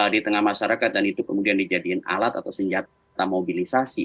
di tengah masyarakat dan itu kemudian dijadikan alat atau senjata mobilisasi